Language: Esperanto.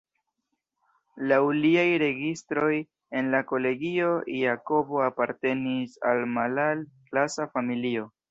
Laŭ liaj registroj en la kolegio, Jakobo apartenis al malalt-klasa familio.